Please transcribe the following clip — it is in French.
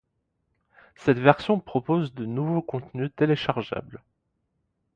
Cette version propose de nouveaux contenus téléchargeables.